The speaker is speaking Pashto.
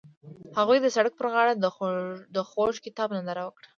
هغوی د سړک پر غاړه د خوږ کتاب ننداره وکړه.